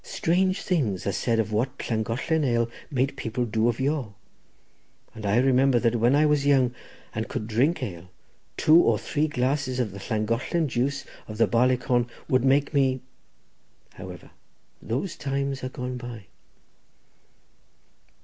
Strange things are said of what Llangollen ale made people do of yore; and I remember that when I was young and could drink ale, two or three glasses of the Llangollen juice of the barleycorn would make me—however, those times are gone by."